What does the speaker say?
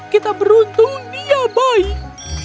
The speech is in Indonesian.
kita beruntung dia baik